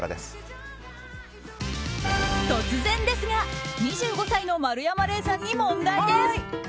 突然ですが２５歳の丸山礼さんに問題です。